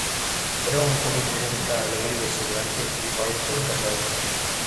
Era una joven muy bonita, alegre y exuberante, y Pablo quedó encantado con ella.